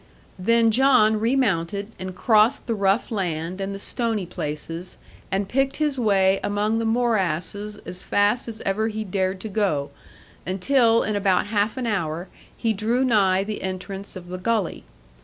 Then John remounted and crossed the rough land and the stony places, and picked his way among the morasses as fast as ever he dared to go; until, in about half an hour, he drew nigh the entrance of the gully.